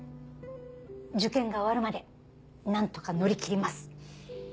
受験が終わるまで何とか乗り切ります。